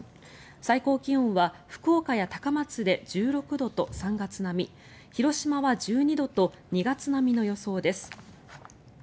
最高気温は福岡や高松で１６度と３月並み広島は１２度と２月並みの予想です。